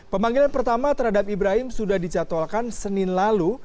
pemanggilan pertama terhadap ibrahim sudah dicatalkan senin lalu